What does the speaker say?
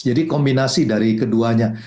jadi kombinasi dari keduanya